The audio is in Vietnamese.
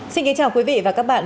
xin kính chào quý vị và các bạn